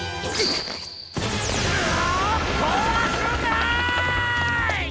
うわ！こわくない！